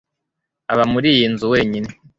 Aba muri iyi nzu wenyine.